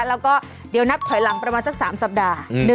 แล้วก็เดี๋ยวนับถอยหลังประมาณสัก๓สัปดาห์